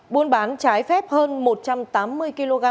buôn bán trái phép hơn một trăm tám mươi kg